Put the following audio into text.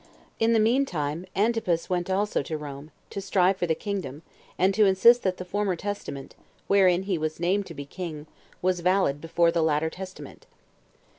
3. In the mean time, Antipas went also to Rome, to strive for the kingdom, and to insist that the former testament, wherein he was named to be king, was valid before the latter testament.